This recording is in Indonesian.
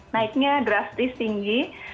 naiknya drastis tinggi